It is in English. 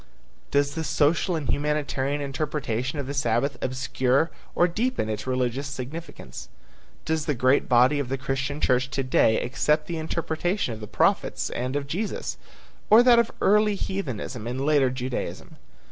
Does the social and humanitarian interpretation of the Sabbath obscure or deepen its religious significance? Does the great body of the Christian church to day accept the interpretation of the prophets and of Jesus, or that of early heathenism and later Judaism?